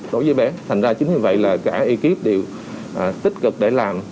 đối với bé thành ra chính vì vậy là cả ekip đều tích cực để làm